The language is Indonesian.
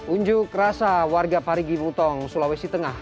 unjuk rasa warga parigi butong sulawesi tengah